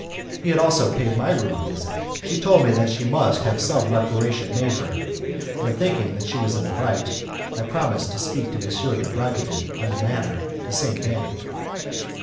He had also paid my room a visit. She told me that she must have some reparation made her, and thinking she was in the right I promised to speak to M. de Bragadin on the matter the same day.